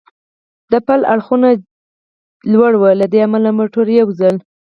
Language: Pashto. د پله اړخونه جګ و، له دې امله موټر یو ځل.